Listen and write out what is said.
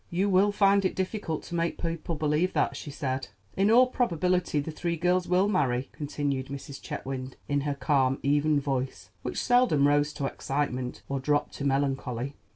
"You will find it difficult to make people believe that," she said. "In all probability the three girls will marry," continued Mrs. Chetwynd in her calm, even voice, which seldom rose to excitement or dropped to melancholy.